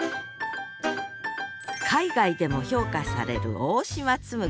海外でも評価される大島紬。